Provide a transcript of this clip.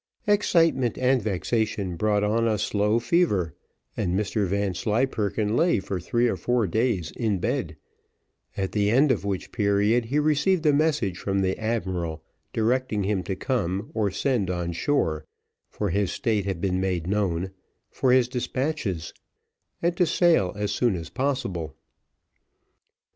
Excitement and vexation brought on a slow fever, and Mr Vanslyperken lay for three or four days in bed; at the end of which period he received a message from the admiral, directing him to come or send on shore (for his state had been made known) for his despatches, and to sail as soon as possible.